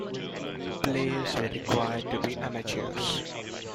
Players were required to be amateurs.